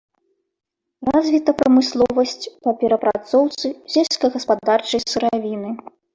Развіта прамысловасць па перапрацоўцы сельскагаспадарчай сыравіны.